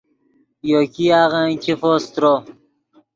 یو ګیاغن ګیفو سترو